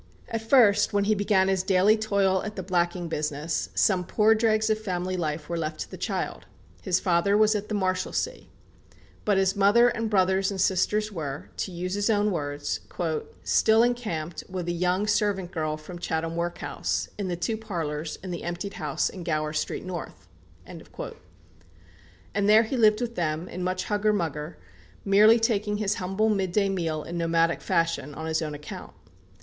At first, when he began his daily toil at the blacking business, some poor dregs of family life were left to the child. His father was at the Marshalsea. But his mother and brothers and sisters were, to use his own words, "still encamped, with a young servant girl from Chatham workhouse, in the two parlours in the emptied house in Gower Street North." And there he lived with them, in much "hugger mugger," merely taking his humble midday meal in nomadic fashion, on his own account.